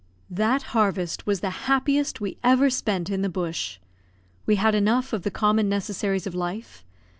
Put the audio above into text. That harvest was the happiest we ever spent in the bush. We had enough of the common necessaries of life.